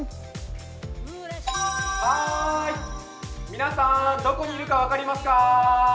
皆さん、どこにいるか分かりますか？